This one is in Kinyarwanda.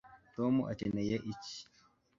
tom akeneye iki